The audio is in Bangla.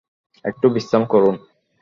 একটু বিশ্রাম করুন।